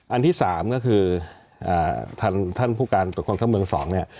อันที่สามก็คือท่านผู้การตรวจความเครื่องเมืองสองเนี่ย